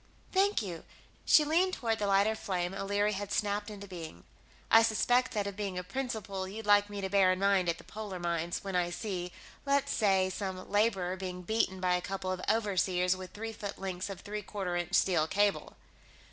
"Thank you." She leaned toward the lighter flame O'Leary had snapped into being. "I suspect that of being a principle you'd like me to bear in mind at the polar mines, when I see, let's say, some laborer being beaten by a couple of overseers with three foot lengths of three quarter inch steel cable."